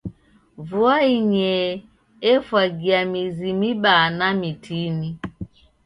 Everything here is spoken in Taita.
Vua inyee efwagia mizi mibaa na mitini.